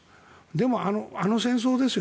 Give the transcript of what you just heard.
でもあの戦争ですよ